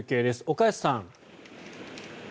岡安さん。